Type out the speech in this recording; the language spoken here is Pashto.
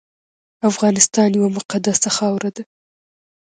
افغانستان یوه مقدسه خاوره ده